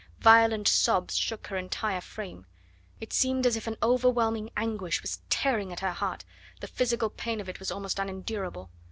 Violent sobs shook her entire frame; it seemed as if an overwhelming anguish was tearing at her heart the physical pain of it was almost unendurable.